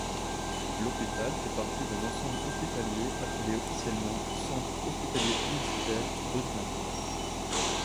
L'hôpital fait partie d'un ensemble hospitalier appelé officiellement Centre hospitalier universitaire Brugmann.